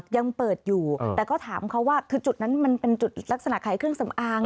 ยังเปิดอยู่แต่ก็ถามเขาว่าคือจุดนั้นมันเป็นจุดลักษณะขายเครื่องสำอาง